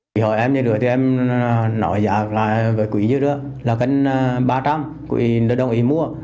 khi hỏi em như đứa thì em nói giá là với quý như đứa là cân ba trăm linh quý đồng ý mua